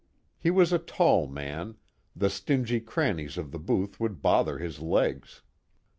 He was a tall man; the stingy crannies of the booth would bother his legs.